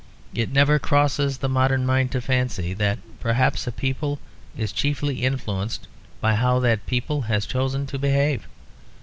It never crosses the modern mind to fancy that perhaps a people is chiefly influenced by how that people has chosen to behave.